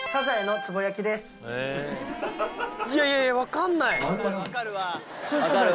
いやいや分かんない。